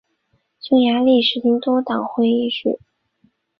匈牙利实行多党议会制。